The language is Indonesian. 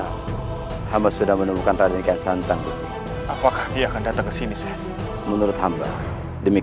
aku akan mencari gandis penopeng itu